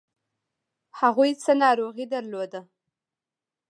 هغوی څه ناروغي درلوده؟